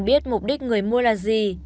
biết mục đích người mua là gì